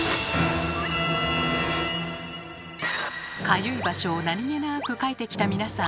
かゆい場所を何気なくかいてきた皆さん。